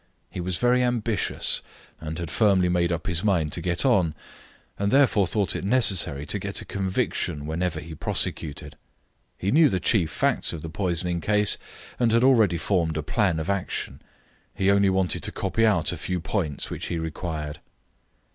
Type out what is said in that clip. He was very ambitious, and had firmly made up his mind to get on, and therefore thought it necessary to get a conviction whenever he prosecuted. He knew the chief facts of the poisoning case, and had already formed a plan of action. He only wanted to copy out a few points which he required.